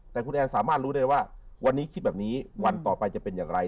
แต่คุณแอนสามารถรู้ได้ว่าวันนี้คิดแบบนี้วันต่อไปจะเป็นอย่างไร